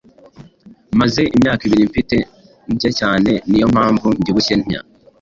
Maze imyaka ibiri mfite ndyacyane. ni yo mpamvu mbyibushye ntya.